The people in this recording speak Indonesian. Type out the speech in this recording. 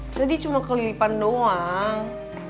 jadi cuma keliripan doang